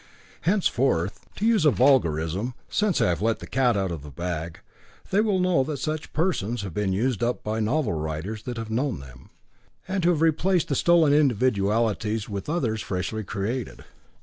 Henceforth, to use a vulgarism, since I have let the cat out of the bag, they will know that such persons have been used up by novel writers that have known them, and who have replaced the stolen individualities with others freshly created.